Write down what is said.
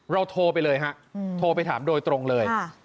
โทรไปเลยฮะโทรไปถามโดยตรงเลย